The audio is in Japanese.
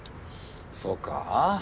そうかぁ。